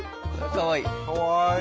かわいい。